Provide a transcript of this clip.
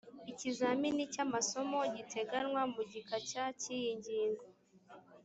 ikizamini cy amasomo giteganywa mu gika cya cy iyi ngingo